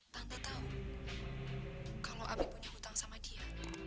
tante tahu kalau abi punya hutang sama dia